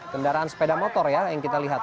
kendaraan sepeda motor ya yang kita lihat